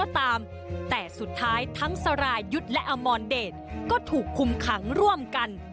แต่สุดท้ายทั้งสรายุทธ์และอมรเดชก็ถูกคุมขังร่วมกัน